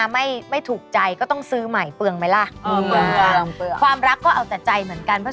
พี่ภูเตือนจำไว้จำไว้